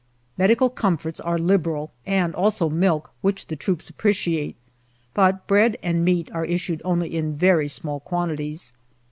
Medical comforts are liberal, and also milk, which the troops appreciate, but bread and meat are issued only in very small quantities.